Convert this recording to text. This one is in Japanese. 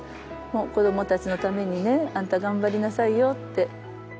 「子どもたちのためにねあんた頑張りなさいよ」って。